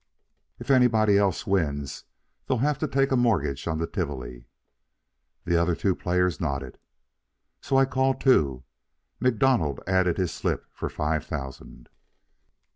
"If anybody else wins, they'll have to take a mortgage on the Tivoli." The two other players nodded. "So I call, too." MacDonald added his slip for five thousand.